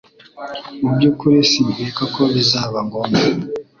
Mubyukuri sinkeka ko bizaba ngombwa